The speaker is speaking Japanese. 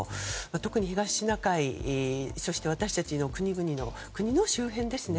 特に東シナ海、そして私たちの国の周辺ですよね。